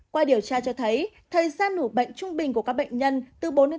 qua điều tra cho thấy thời gian nổ bệnh trung bình của các bệnh nhân từ bốn đến tám giờ